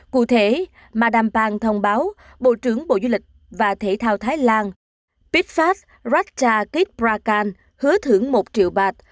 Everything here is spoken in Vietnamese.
cụ thể madame phan thông báo bộ trưởng bộ du lịch và thể thao thái lan pithfat ratchakitprakarn hứa thưởng một triệu baht